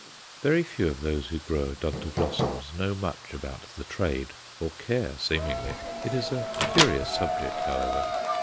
Very few of those who grow Odontoglossums know much about the "Trade," or care, seemingly. It is a curious subject, however.